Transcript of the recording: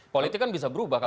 politik kan bisa berubah